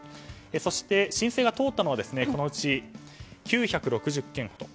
そして申請が通ったのはこのうち９６０件と。